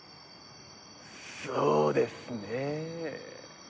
そうですねえ